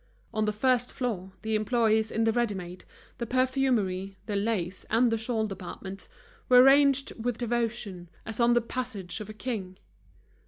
On the first floor the employees in the ready made, the perfumery, the lace, and the shawl departments were ranged with devotion, as on the passage of a king.